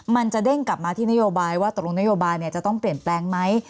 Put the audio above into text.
มันจะเด้งกลับมาที่นโยบายว่าตกลงนโยบายจะต้องเปลี่ยนแปลงไหม